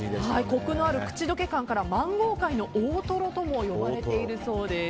コクのある口溶け感からマンゴー界の大トロとも呼ばれているそうです。